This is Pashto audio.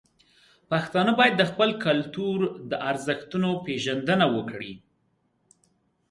پښتانه باید د خپل کلتور د ارزښتونو پیژندنه وکړي.